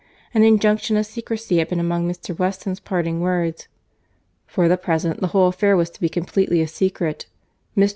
An injunction of secresy had been among Mr. Weston's parting words. "For the present, the whole affair was to be completely a secret. Mr.